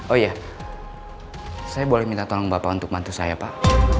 oh iya saya boleh minta tolong bapak untuk mantu saya pak